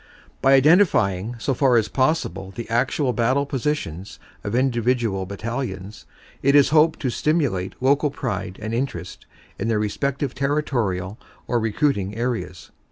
By identifying so far as possible the actual battle position of individual battalions it is hoped to stimulate local pride and interest in their respective territorial or recruiting areas.